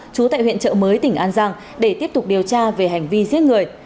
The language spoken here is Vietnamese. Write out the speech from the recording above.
trú tại huyện trợ mới tỉnh an giang để tiếp tục điều tra về hành vi giết người